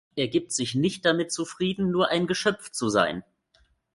Er gibt sich nicht damit zufrieden, nur ein Geschöpf zu sein.